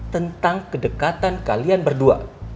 tentang kedekatan kalian berdua